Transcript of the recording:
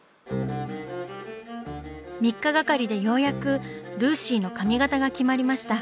３日がかりでようやくルーシーの髪型が決まりました。